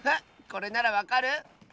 これならわかる？